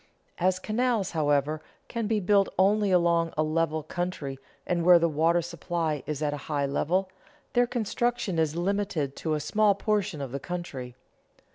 As canals, however, can be built only along a level country and where the water supply is at a high level, their construction is limited to a small portion of the country.